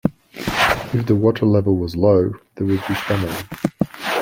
If the water level was low, there would be famine.